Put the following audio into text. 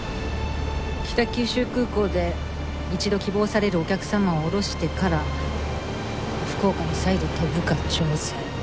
北九州空港で一度希望されるお客様を降ろしてから福岡に再度飛ぶか調整。